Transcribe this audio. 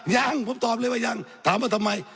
ยังผมตอบเลยว่ายังถามว่าทำไม